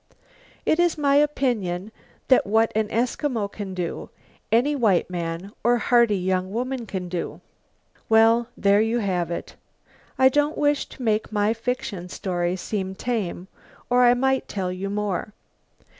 It is my opinion that what an Eskimo can do, any white man or hearty young woman can do. Well, there you have it. I don't wish to make my fiction story seem tame, or I might tell you more.